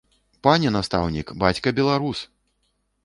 Пане настаўнік, бацька беларус!